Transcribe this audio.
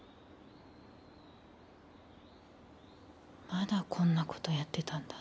まだこんなことやってたんだ。